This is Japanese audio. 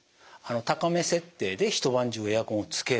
高め設定で一晩中エアコンをつける。